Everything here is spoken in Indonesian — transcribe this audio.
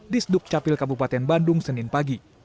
destuk capil kabupaten bandung senin pagi